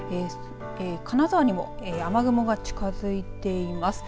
金沢にも雨雲が近づいています。